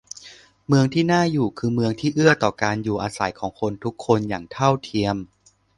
เมืองที่น่าอยู่คือเมืองที่เอื้อต่อการอยู่อาศัยของคนทุกคนอย่างเท่าเทียม